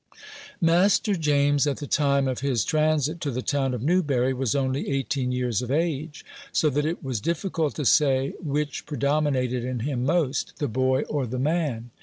Master James, at the time of his transit to the town of Newbury, was only eighteen years of age; so that it was difficult to say which predominated in him most, the boy or the man.